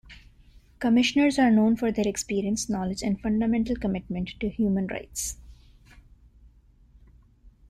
Commissioners are known for their experience, knowledge and fundamental commitment to human rights.